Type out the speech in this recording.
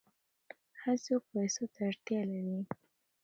هر څوک پیسو ته اړتیا لري.